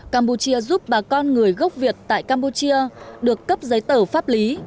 campuchia giúp bà con người gốc việt tại campuchia được cấp giấy tờ pháp lý